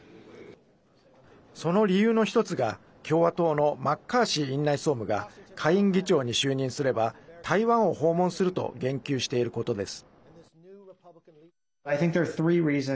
その理由の１つが共和党のマッカーシー院内総務が下院議長に就任すれば台湾を訪問すると言及していることです。